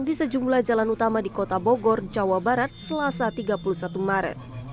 di sejumlah jalan utama di kota bogor jawa barat selasa tiga puluh satu maret